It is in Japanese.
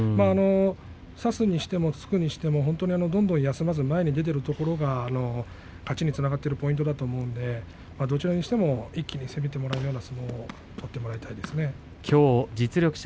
差すにしても突くにしてもどんどん休まず前に出ているところが勝ちにつながっているポイントだと思うのでどちらにしても一気に攻めている実力者